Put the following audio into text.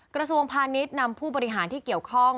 กระทรวงพาณิชย์นำผู้บริหารที่เกี่ยวข้อง